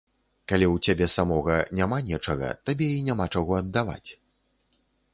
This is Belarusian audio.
Калі ў цябе самога няма нечага, табе і няма чаго аддаваць.